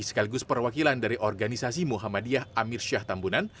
sekaligus perwakilan dari organisasi muhammadiyah amir syah tambunan